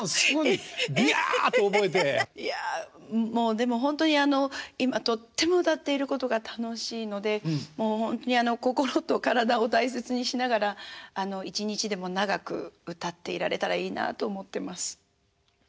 でもほんとに今とっても歌っていることが楽しいのでほんとに心と体を大切にしながら一日でも長く歌っていられたらいいなと思ってます。